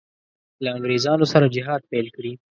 له انګرېزانو سره جهاد پیل کړي.